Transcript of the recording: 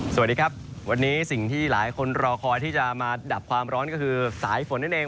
สวัสดีครับวันนี้สิ่งที่หลายคนรอคอยที่จะมาดับความร้อนก็คือสายฝนนั่นเอง